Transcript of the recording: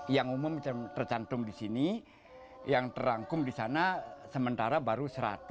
yang umum tercantum disini yang terangkum disana sementara baru seratus